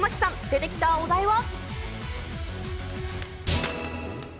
出てきたお題は。